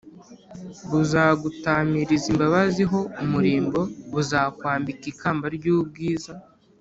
buzagutamiriza imbabazi ho umurimbo, buzakwambika ikamba ry’ubwiza”